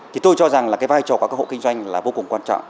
thì tôi cho rằng là cái vai trò của các hộ kinh doanh là vô cùng quan trọng